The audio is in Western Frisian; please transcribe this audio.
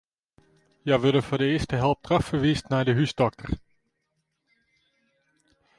Hja wurde foar de earste help trochferwiisd nei de húsdokter.